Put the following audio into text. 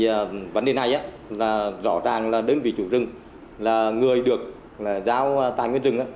thì vấn đề này rõ ràng là đơn vị chủ rừng là người được giao tài nguyên rừng